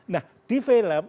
nah di film